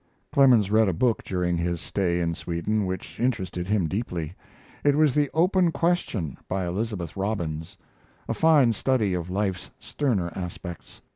Clemens read a book during his stay in Sweden which interested him deeply. It was the Open Question, by Elizabeth Robbins a fine study of life's sterner aspects.